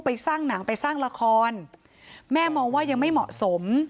สร้างหนังไปสร้างละครแม่มองว่ายังไม่เหมาะสม